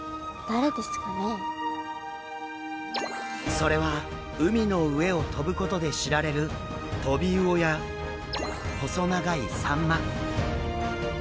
それは海の上を飛ぶことで知られるトビウオや細長いサンマ。